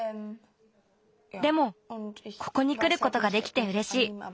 でもここにくることができてうれしい。